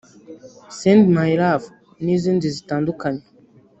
“Send My Love” n’izindi zitandukanye